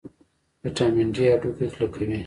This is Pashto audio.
ویټامین ډي هډوکي کلکوي